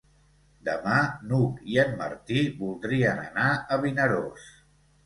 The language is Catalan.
Demà n'Hug i en Martí voldrien anar a Vinaròs.